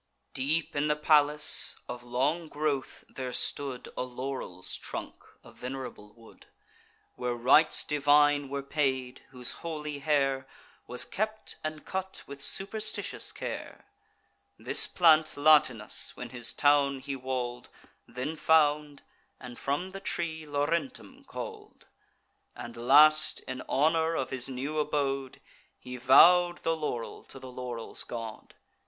Deep in the palace, of long growth, there stood A laurel's trunk, a venerable wood; Where rites divine were paid; whose holy hair Was kept and cut with superstitious care. This plant Latinus, when his town he wall'd, Then found, and from the tree Laurentum call'd; And last, in honour of his new abode, He vow'd the laurel to the laurel's god.